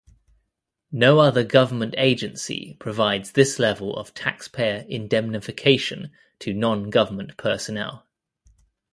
"No other government agency provides this level of taxpayer indemnification to non-government personnel".